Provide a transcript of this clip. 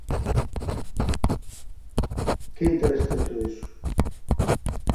Que interese ten todo iso?